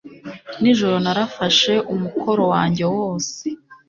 Nijoro narafashe umukoro wanjye wose